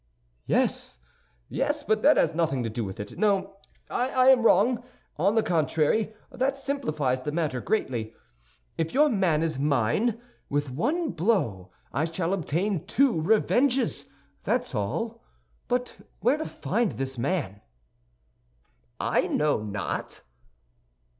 "Yes, yes; but that has nothing to do with it. No, I am wrong. On the contrary, that simplifies the matter greatly. If your man is mine, with one blow I shall obtain two revenges, that's all; but where to find this man?" "I know not."